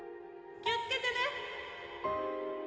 気をつけてね！